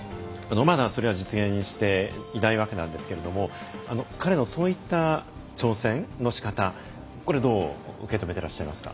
それは、まだ実現していないわけなんですが彼のそういった挑戦のしかたこれはどう受け止めていらっしゃいますか？